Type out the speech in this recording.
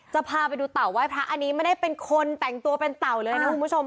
จะพาไปดูเต่าไหว้พระอันนี้ไม่ได้เป็นคนแต่งตัวเป็นเต่าเลยนะคุณผู้ชม